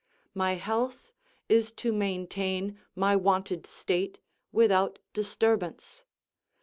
My health is to maintain my wonted state without disturbance.